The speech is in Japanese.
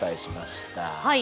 はい。